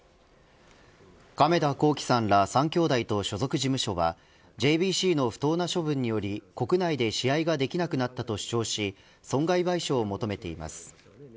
亀田興毅さんら３兄弟と所属事務所はＪＢＣの不当な処分により国内で試合ができなくなったと主張し損害賠償を求めています。